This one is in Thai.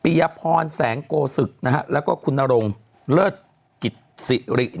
ปียพรแสงโกศึกแล้วก็คุณนโรงเลิศกิจศิริ